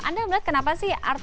anda melihat kenapa sih